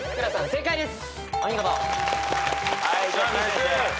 正解です。